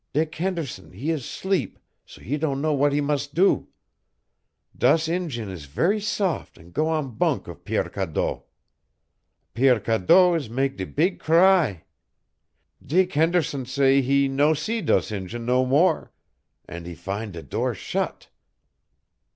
Dick Henderson he is 'sleep, he don' know w'at he mus' do. Does Injun is step ver' sof' an' go on bunk of Pierre Cadotte. Pierre Cadotte is mak' de beeg cry. Dick Henderson say he no see dose Injun no more, an' he fin' de door shut.